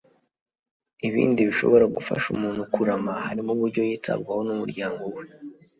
Ibindi bishobora gufasha umuntu kurama harimo uburyo yitabwaho n'umuryango we